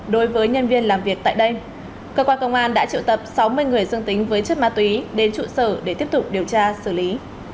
đối với nhân viên làm việc tại đây cơ quan công an đã triệu tập sáu mươi người dương tính với chất ma túy đến trụ sở để tiếp tục điều tra xử lý